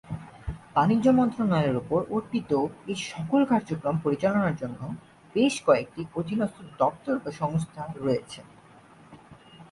বাণিজ্য মন্ত্রণালয়ের উপর অর্পিত এ সকল কার্যক্রম পরিচালনার জন্য বেশ কয়েকটি অধীনস্থ দপ্তর/সংস্থা রয়েছে।